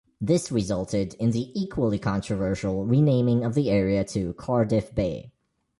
This resulted in the equally controversial renaming of the area to "Cardiff Bay".